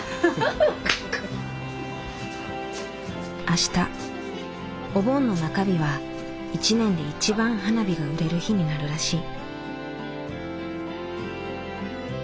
明日お盆の中日は一年で一番花火が売れる日になるらしい。